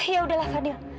ya udahlah fadil